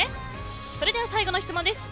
それでは最後の質問です。